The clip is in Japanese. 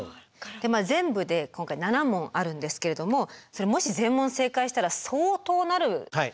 全部で今回７問あるんですけれどもそれもし全問正解したら相当なるあの達人。